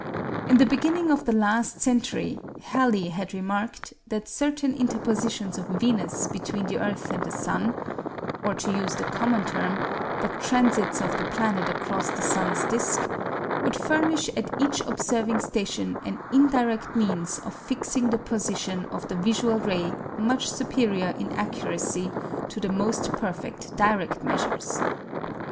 In the beginning of the last century, Halley had remarked that certain interpositions of Venus between the earth and the sun or to use the common term, the transits of the planet across the sun's disk would furnish at each observing station an indirect means of fixing the position of the visual ray much superior in accuracy to the most perfect direct measures.